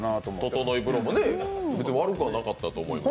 ととのい風呂もね、悪くはなかったと思います。